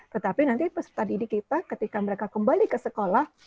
tetapi nanti peserta didik kita ketika mereka kembali ke sekolah